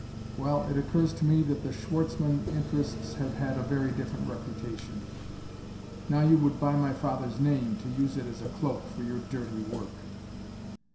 well, it occurs to me that the Schwartzmann interests have had a different reputation. Now you would buy my father's name to use it as a cloak for your dirty work!"